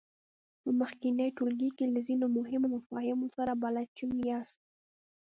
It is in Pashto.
په مخکېني ټولګي کې له ځینو مهمو مفاهیمو سره بلد شوي یاست.